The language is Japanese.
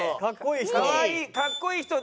かっこいい人。